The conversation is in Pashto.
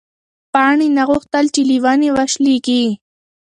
پاڼې نه غوښتل چې له ونې وشلېږي.